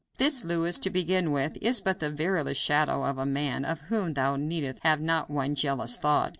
This Louis, to begin with, is but the veriest shadow of a man, of whom thou needst have not one jealous thought.